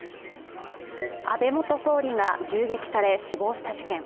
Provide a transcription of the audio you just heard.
安倍元総理が銃撃され死亡した事件。